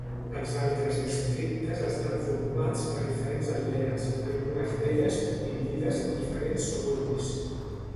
Els altres districtes estan formats per diferents aldees, algunes d'elles subdividides en diferents suburbis.